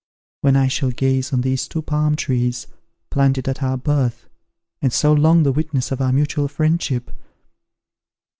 when I shall gaze on these two palm trees, planted at our birth, and so long the witnesses of our mutual friendship?